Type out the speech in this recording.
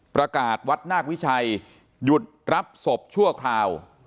ประกาศวัดนาควิชัยหยุดรับศพชั่วคราว